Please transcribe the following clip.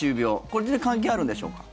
これは関係あるんでしょうか？